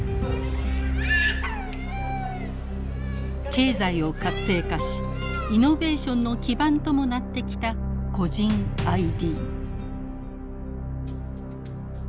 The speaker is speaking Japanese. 経済を活性化しイノベーションの基盤ともなってきた個人ＩＤ。